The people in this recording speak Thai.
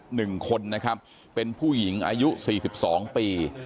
หนึ่งคนนะครับเป็นผู้หญิงอายุ๔๒ปี